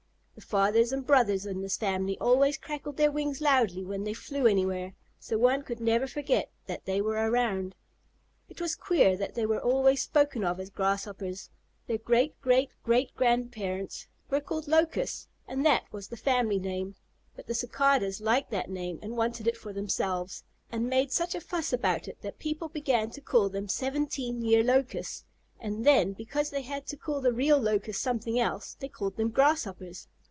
The fathers and brothers in this family always crackled their wings loudly when they flew anywhere, so one could never forget that they were around. It was queer that they were always spoken of as Grasshoppers. Their great great great grandparents were called Locusts, and that was the family name, but the Cicadas liked that name and wanted it for themselves, and made such a fuss about it that people began to call them Seventeen Year Locusts; and then because they had to call the real Locusts something else, they called them Grasshoppers.